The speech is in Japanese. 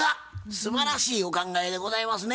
すばらしいお考えでございますね。